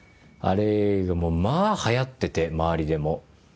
あれまあはやってて周りでも。